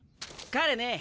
彼ね